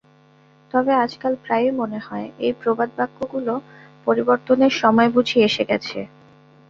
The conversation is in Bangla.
তবে আজকাল প্রায়ই মনে হয় এই প্রবাদবাক্যগুলো পরিবর্তনের সময় বুঝি এসে গেছে।